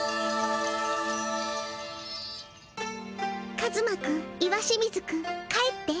カズマくん石清水くん帰って。